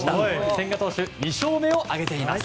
千賀投手２勝目を挙げています。